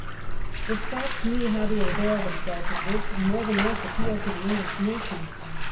The Scots knew how to avail themselves of this, and more than once appealed to the English nation.